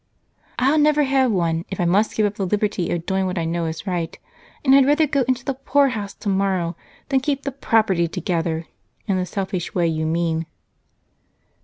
"I'll never have one, if I must give up the liberty of doing what I know is right, and I'd rather go into the poorhouse tomorrow than 'keep the property together' in the selfish way you mean!"